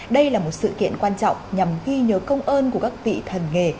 đây là một sự kiện quan trọng nhằm ghi nhớ công ơn của các vị thần nghề